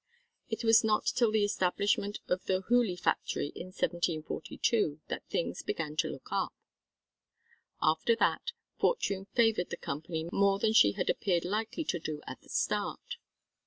It was not till the establishment of the Hooghly factory in 1742 that things began to look up. After that, fortune favoured the Company more than she had appeared likely to do at the start.